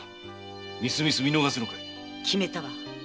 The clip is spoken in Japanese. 決めたわ。